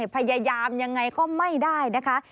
พยายามยังไงก็ไม่ได้นะคะ